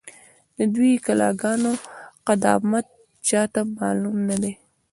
، د دې کلا گانو قدامت چا ته هم معلوم نه دی،